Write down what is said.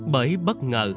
bởi bất ngờ